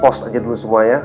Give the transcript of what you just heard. pos aja dulu semuanya